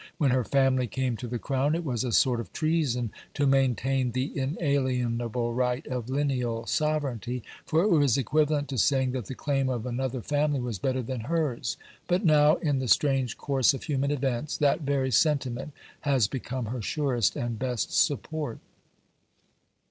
When her family came to the Crown it was a sort of treason to maintain the inalienable right of lineal sovereignty, for it was equivalent to saying that the claim of another family was better than hers: but now, in the strange course of human events, that very sentiment has become her surest and best support.